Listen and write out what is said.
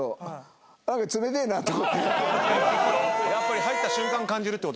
やっぱり入った瞬間感じるってことですか？